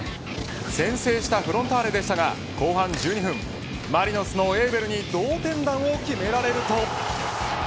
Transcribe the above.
先制したフロンターレでしたが後半１２分マリノスのエウベルに同点弾を決められると。